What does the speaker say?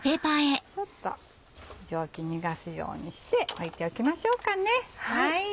ちょっと蒸気逃がすようにして置いておきましょうかね。